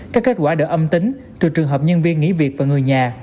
các kết quả đỡ âm tính trừ trường hợp nhân viên nghỉ việc và người nhà